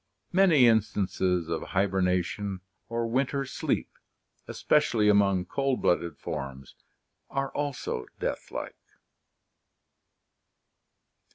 Many instances of hiberna tion or winter sleep, especially among cold blooded forms, are also death like.